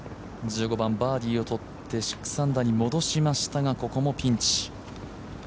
１５番、バーディーをとって６アンダーに戻しましたがここもピンチ。